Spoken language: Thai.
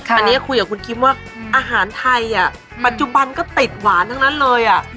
อันนี้คุยกับคุณคิมว่าอาหารไทยปัจจุบันก็ติดหวานทั้งนั้นเลย